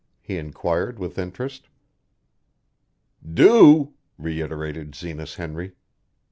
he inquired with interest. "Do?" reiterated Zenas Henry.